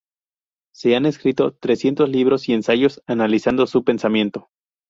Se han escrito trescientos libros y ensayos analizando su pensamiento.